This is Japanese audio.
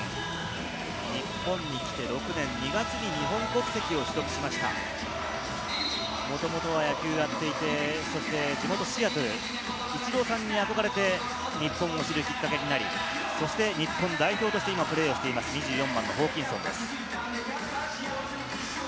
日本に来て６年、２月に日本国籍を取得しました、もともとは野球をやっていて、地元シアトル、イチローさんに憧れて、日本を知るきっかけになり、そして日本代表としてきょう、今プレーをしています、ホーキンソンです。